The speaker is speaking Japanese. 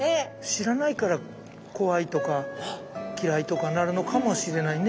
知らないから怖いとか嫌いとかなるのかもしれないね。